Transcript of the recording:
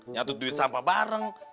nyatut duit sampah bareng